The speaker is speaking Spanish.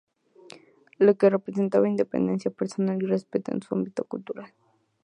Lo que representaba independencia personal y respeto en su ámbito cultural.